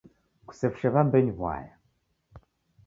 Kusefushe w'ambenyu w'uaya.